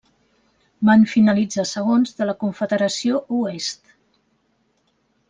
Van finalitzar segons de la Confederació Oest.